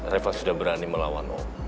reva sudah berani melawan